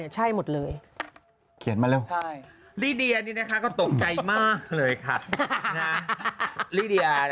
นี่จะตกใจอะไร